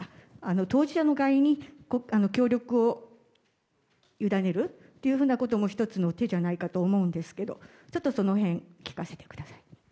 当事者の会に協力をゆだねるということも１つの手じゃないかと思うんですけどちょっとその辺聞かせてください。